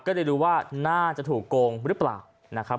ก็เลยรู้ว่าน่าจะถูกโกงหรือเปล่านะครับ